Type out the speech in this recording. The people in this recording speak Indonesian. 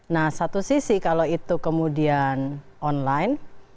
nah satu sisi kalau itu kemudian online